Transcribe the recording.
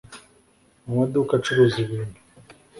mu maduka acuruza ibintu.